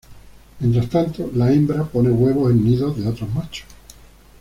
Mientras tanto la hembra pone huevos en nidos de otros machos.